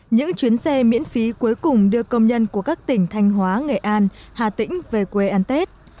những chuyến xe miễn phí cuối cùng đưa công nhân của các tỉnh thanh hóa nghệ an hà tĩnh về quê ăn tết